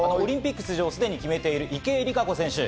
オリンピック出場をすでに決めている池江璃花子選手。